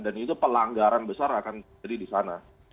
dan itu pelanggaran besar akan jadi di sana